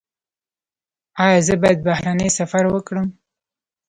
ایا زه باید بهرنی سفر وکړم؟